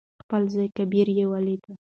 خپل زوى کبير يې ولېد.